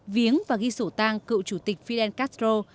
viếng và ghi sổ tang cựu chủ tịch fidel castro